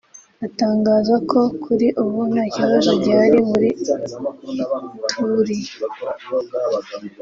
Atangaza ko kuri ubu ntakibazo gihari muri Ituri